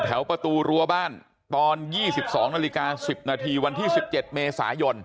ประตูรั้วบ้านตอน๒๒นาฬิกา๑๐นาทีวันที่๑๗เมษายน